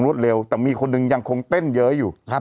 โอ้โหโอ้โหโอ้โหโอ้โหโอ้โห